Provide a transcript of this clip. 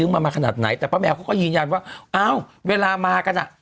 นึงมามาขนาดไหนแต่แป๊วแมวก็ยินยานว่าเอาเวลามากันอ่ะ